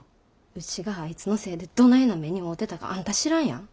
うちがあいつのせいでどないな目に遭うてたかあんた知らんやん。